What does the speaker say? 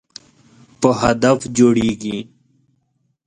په هدف جوړیږي.